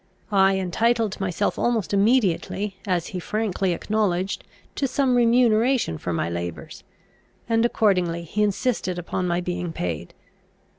I entitled myself almost immediately, as he frankly acknowledged, to some remuneration for my labours, and accordingly he insisted upon my being paid.